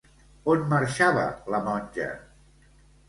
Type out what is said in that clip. On marxava la Monja?